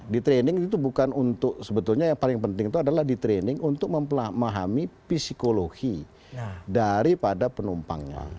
di training itu bukan untuk sebetulnya yang paling penting itu adalah di training untuk memahami psikologi daripada penumpangnya